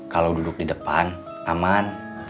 kalau duduk di depan aman